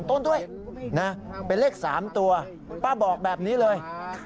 ต้นด้วยนะเป็นเลข๓ตัวป้าบอกแบบนี้เลย